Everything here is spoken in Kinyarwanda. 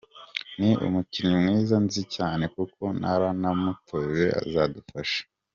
Ni umukinnyi mwiza nzi cyane kuko naranamutoje azadufasha.